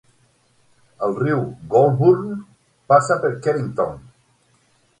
El riu Goulburn passa per Kevington.